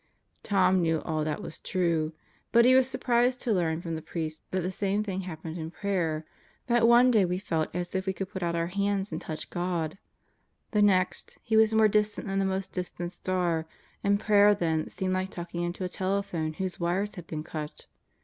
Tom knew all that was true, but he was surprised to learn from the priest that the same things happened in prayer; that one day we felt as if we could put out our hands and touch God, the next, He was more distant than the most distant star and prayer then seemed like talking into a telephone whose wires had been cut.